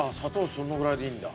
そのぐらいでいいんだ。